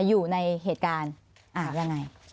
ขออภัยนะแจบทำยังไง